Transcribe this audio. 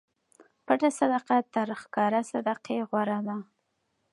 پټه صدقه تر ښکاره صدقې غوره ده.